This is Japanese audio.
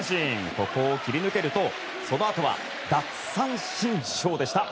ここを切り抜けるとそのあとは奪三振ショーでした。